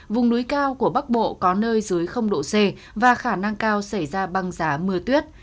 vùng núi cao của bắc bộ có nơi dưới độ c và khả năng cao xảy ra băng giá mưa tuyết